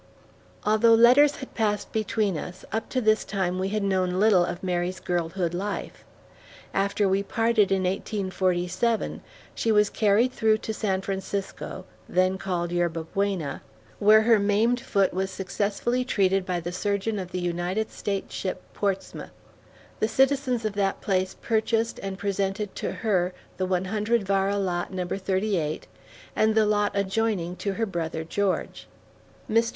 Although letters had passed between us, up to this time we had known little of Mary's girlhood life. After we parted, in 1847, she was carried through to San Francisco, then called Yerba Buena, where her maimed foot was successfully treated by the surgeon of the United States ship Portsmouth. The citizens of that place purchased and presented to her the one hundred vara lot Number 38, and the lot adjoining to her brother George. Mr.